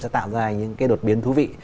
sẽ tạo ra những cái đột biến thú vị